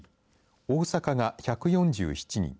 大阪が１４７人